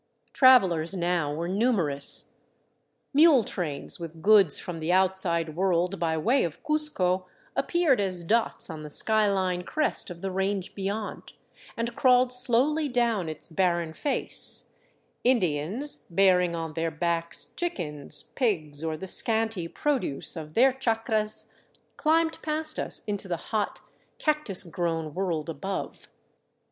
Travelers now were numerous. Mule trains with goods from the outside world by way of Cuzco appeared as dots on the sky line crest of the range beyond, and crawled slowly down its barren face; Indians, bearing on their backs chickens, pigs, or the scanty produce of their chacras, climbed past us into the hot, cactus grown world above.